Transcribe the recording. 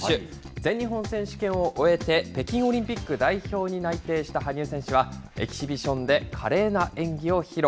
全日本選手権を終えて、北京オリンピック代表に内定した羽生選手は、エキシビションで華麗な演技を披露。